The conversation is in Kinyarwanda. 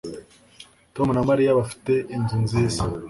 Tom na Mariya bafite inzu nziza